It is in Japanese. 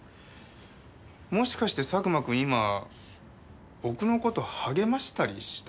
もしかして佐久間君今僕の事励ましたりした？